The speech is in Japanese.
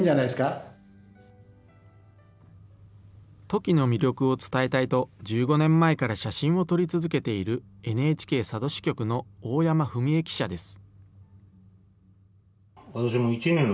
トキの魅力を伝えたいと、１５年前から写真を撮り続けているＮＨＫ佐渡支局の大山文兄記者です。